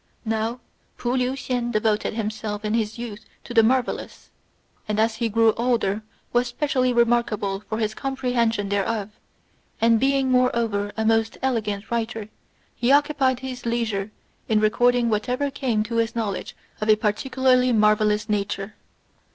Now P'u Liu hsien devoted himself in his youth to the marvellous, and as he grew older was specially remarkable for his comprehension thereof; and being moreover a most elegant writer, he occupied his leisure in recording whatever came to his knowledge of a particularly marvellous nature.